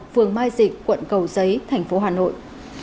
phương mai dịch quận cầu giấy tp hà nội